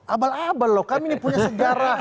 abal abal loh kami ini punya sejarah